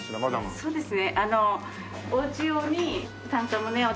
そうですね。